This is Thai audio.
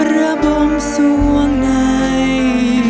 ระบมส่วงใน